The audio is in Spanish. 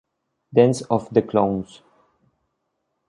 Dance of the clowns".